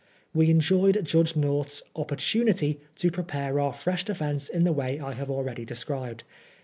We enjoyed Judge North's " oppor tunity " to prepare our fresh defence in the way I have al ready described.